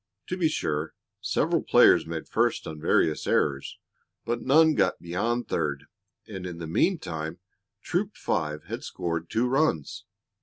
To be sure, several players made first on various errors, but none got beyond third, and in the meantime Troop Five had scored two runs.